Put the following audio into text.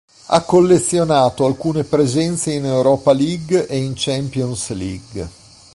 Ha collezionato alcune presenze in Europa League e in Champions League.